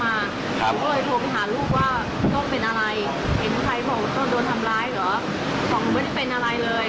บอกว่าไม่ได้เป็นอะไรเลย